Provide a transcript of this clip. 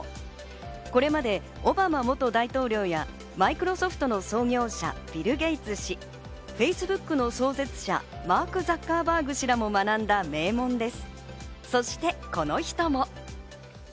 これまでオバマ元大統領や、マイクロソフトの創業者ビル・ゲイツ氏、Ｆａｃｅｂｏｏｋの創設者、マーク・ザッカーバーグ氏なども学んだ名門です。